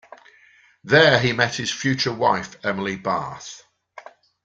There he met his future wife, Emily Barth.